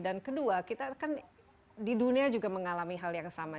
dan kedua kita kan di dunia juga mengalami hal yang sama